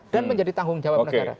dan menjadi tanggung jawab negara